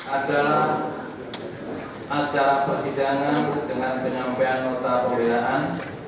adalah acara persidangan dengan penyampaian nota kemuliaan